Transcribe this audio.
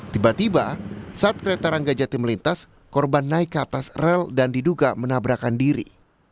tiba tiba saat kereta rangga jati melintas korban naik ke atas rel dan diduga menabrakan diri